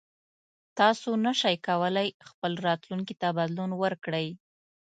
تاسو نشئ کولی خپل راتلونکي ته بدلون ورکړئ.